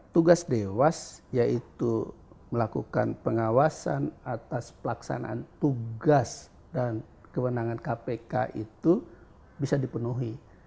tugas dewas yaitu melakukan pengawasan atas pelaksanaan tugas dan kewenangan kpk itu bisa dipenuhi